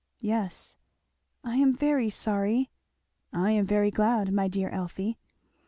"Yes." "I am very sorry!" "I am very glad, my dear Elfie."